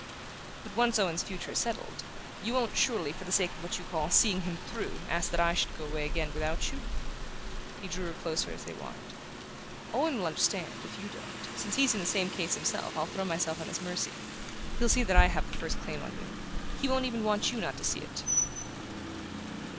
"But once Owen's future is settled, you won't, surely, for the sake of what you call seeing him through, ask that I should go away again without you?" He drew her closer as they walked. "Owen will understand, if you don't. Since he's in the same case himself I'll throw myself on his mercy. He'll see that I have the first claim on you; he won't even want you not to see it."